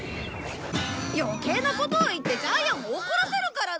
余計なことを言ってジャイアンを怒らせるからだ！